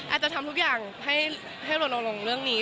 อาจจะทำทุกอย่างให้ลงเรื่องนี้